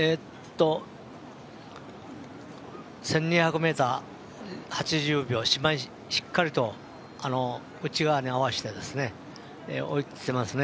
１２００ｍ、８０秒しっかりと内側に合わせてやってますね。